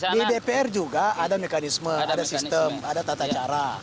di dpr juga ada mekanisme ada sistem ada tata cara